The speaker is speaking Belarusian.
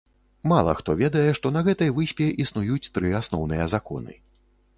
Мала хто ведае, што на гэтай выспе існуюць тры асноўныя законы.